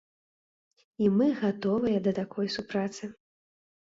І мы гатовыя да такой супрацы.